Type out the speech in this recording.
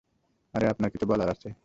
আরে, আপনার কিছু বলার ছিল?